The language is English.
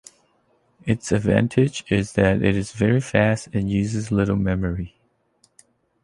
Its advantage is that it is very fast and uses little memory.